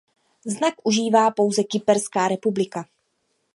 Znak užívá pouze Kyperská republika.